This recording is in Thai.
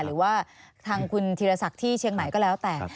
หรือว่าทางคุณธีรศักดิ์ที่เชียงใหม่ก็แล้วแต่